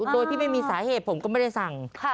โดยที่ไม่มีสาเหตุผมก็ไม่ได้สั่ง